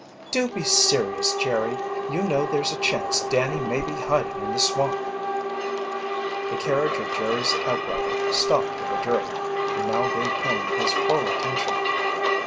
"Do be serious, Jerry! You know, there's a chance Danny may be hiding in the swamp." The carriage of Jerry's typewriter stopped with a jerk. He now gave Penny his full attention.